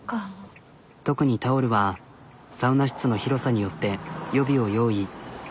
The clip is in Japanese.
特にタオルはサウナ室の広さによって予備を用意。